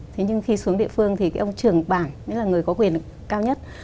thế nhưng khi xuống địa phương thì ông trưởng bảng người có quyền cao nhất